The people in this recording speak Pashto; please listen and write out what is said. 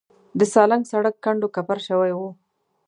د سالنګ سړک کنډو کپر شوی و.